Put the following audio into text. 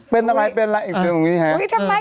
เป็นอะไรแต่ตรงนี้ไง